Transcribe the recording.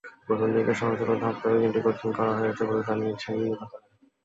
প্রথম দিকে সহজ হলেও ধাপে ধাপে গেমটি কঠিন করা হয়েছে বলে জানিয়েছেন নির্মাতারা।